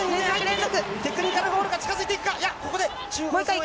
テクニカルフォールが近づいていくか？